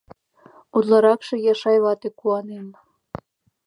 Утларакше Яшай вате куанен.